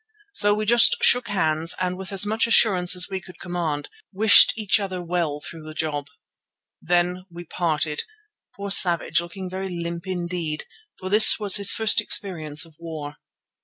So we just shook hands, and with as much assurance as we could command wished each other well through the job. Then we parted, poor Savage looking very limp indeed, for this was his first experience of war.